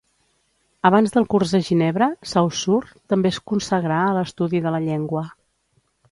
Abans del curs a Ginebra, Saussure també es consagrà a l'estudi de la llengua.